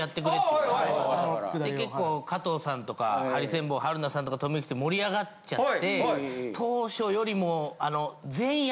結構加藤さんとかハリセンボン春菜さんとか止めにきて盛り上がっちゃって当初よりも。